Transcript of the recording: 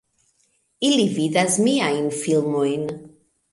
Ili vidas miajn filmojn